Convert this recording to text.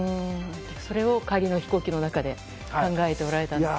それを帰りの飛行機の中で考えておられたと。